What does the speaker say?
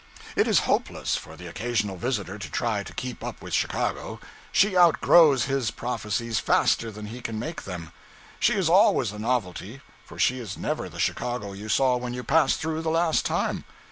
It is hopeless for the occasional visitor to try to keep up with Chicago she outgrows his prophecies faster than he can make them. She is always a novelty; for she is never the Chicago you saw when you passed through the last time.